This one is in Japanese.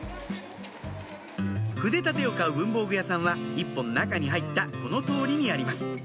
筆立てを買う文房具屋さんは一本中に入ったこの通りにあります